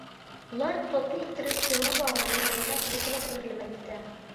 ئۇلار توپنى ئىتتىرىپ، جىلغا باغرىنى بويلاپ يۇقىرىغا ئۆرلىمەكتە.